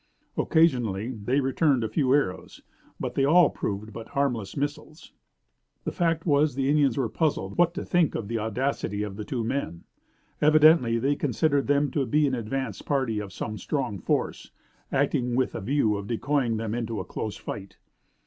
Occasionally they returned a few arrows, but they all proved but harmless missiles. The fact was the Indians were puzzled what to think of the audacity of the two men. Evidently they considered them to be an advance party of some strong force, acting with a view of decoying them into a close fight.